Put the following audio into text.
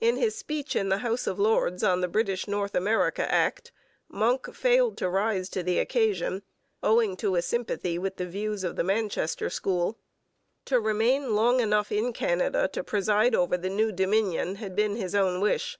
In his speech in the House of Lords on the British North America Act, Monck failed to rise to the occasion, owing to a sympathy with the views of the Manchester School. To remain long enough in Canada to preside over the new Dominion had been his own wish.